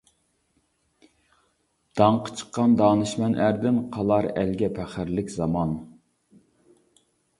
داڭقى چىققان دانىشمەن ئەردىن، قالار ئەلگە پەخىرلىك زامان.